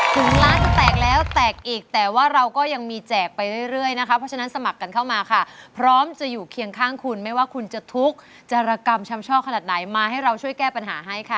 ถึงร้านจะแตกแล้วแตกอีกแต่ว่าเราก็ยังมีแจกไปเรื่อยนะคะเพราะฉะนั้นสมัครกันเข้ามาค่ะพร้อมจะอยู่เคียงข้างคุณไม่ว่าคุณจะทุกข์จรกรรมชำช่อขนาดไหนมาให้เราช่วยแก้ปัญหาให้ค่ะ